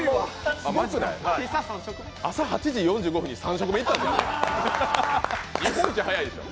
朝８時４５分に３食目行ったんですよ。